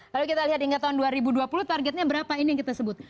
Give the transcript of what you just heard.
lalu kita lihat hingga tahun dua ribu dua puluh targetnya berapa ini yang kita sebut